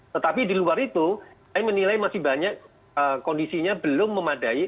tetapi di luar itu saya menilai masih banyak kondisinya belum memadai